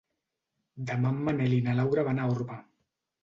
Demà en Manel i na Laura van a Orba.